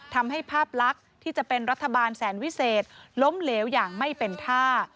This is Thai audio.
ภาพลักษณ์ที่จะเป็นรัฐบาลแสนวิเศษล้มเหลวอย่างไม่เป็นท่า